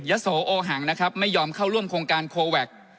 โสโอหังนะครับไม่ยอมเข้าร่วมโครงการโคแวค